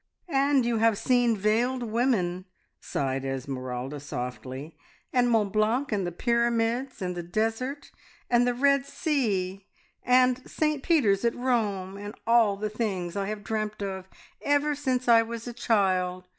"And you have seen veiled women," sighed Esmeralda softly, "and Mont Blanc, and the Pyramids, and the desert, and the Red Sea, and Saint Peter's at Rome, and all the things I have dreamt about ever since I was a child!